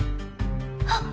あっ！